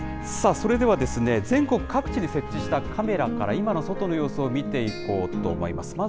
さあ、それでは、全国各地に設置したカメラから、今の外の様子を見ていこうと思います。